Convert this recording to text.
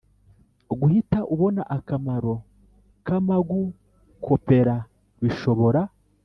Guhita ubona akamaro k amagukopera bishobora